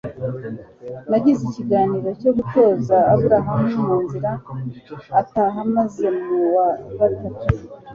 Nagize ikiganiro cyo gutoza Abram mu nzira ataha maze ku wa gatatu